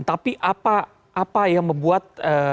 tapi apa yang membuat